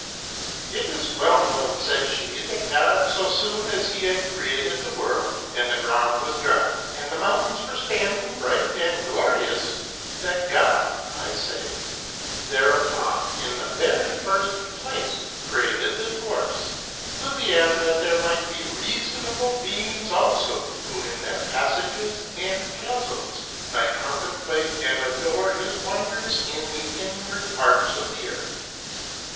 k' ' It is well known,' said she, ' that God, so soon as he had created the world, and the ground was dry, and the mountains were standing bright and glorious, that God, I say, thereupon, in the very first place, created the dwarfs, 242 MEISTER'S TRAVELS. to the end that there might be reasonable beings also, who, in their passages arid chasms, might contemplate and adore his wonders in the inward parts of the earth.